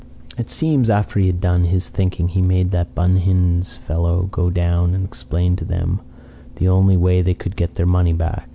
"It seems that after he had done his thinking he made that Bun Hin's fellow go down and explain to them the only way they could get their money back.